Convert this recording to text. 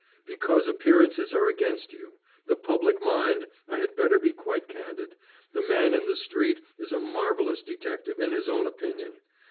"Because appearances are against you. The public mind I had better be quite candid. The man in the street is a marvelous detective, in his own opinion.